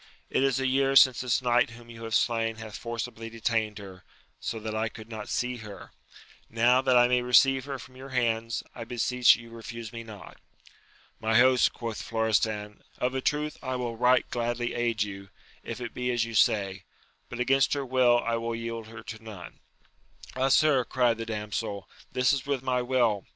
It is a year since this knight whom you have slain hath forcibly detained her, so that I could not see her : now, that I may receive her from your hands, I beseech you refuse me not. My host, quoth Florestan, of a truth I wiU right gladly aid you, if it be as you say ; but against her will I will yield her to none. Ah, sir, cried the damsel, this is with my will